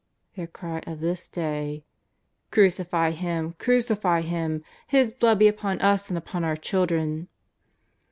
" their cry of this day: ^' Crucify Him ! Crucify Him ! His blood be upon us and upon our children